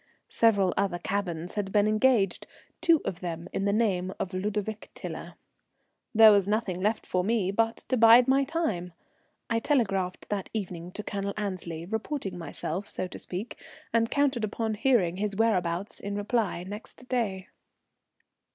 Several other cabins had been engaged, two of them in the name of Ludovic Tiler. There was nothing left for me but to bide my time. I telegraphed that evening to Colonel Annesley, reporting myself, so to speak, and counted upon hearing his whereabouts in reply next day.